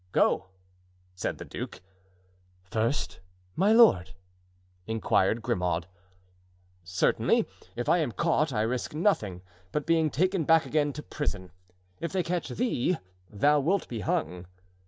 "Go!" said the duke. "First, my lord?" inquired Grimaud. "Certainly. If I am caught, I risk nothing but being taken back again to prison. If they catch thee, thou wilt be hung."